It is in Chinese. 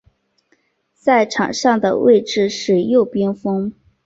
在场上的位置是右边锋。